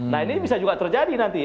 nah ini bisa juga terjadi nanti